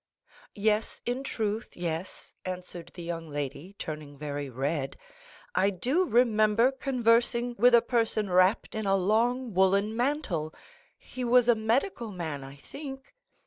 "Yes, in truth, yes," answered the young lady, turning very red, "I do remember conversing with a person wrapped in a long woollen mantle; he was a medical man, I think."